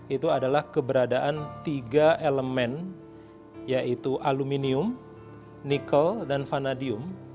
itu adalah keberadaan tiga elemen yaitu aluminium nikel dan vanadium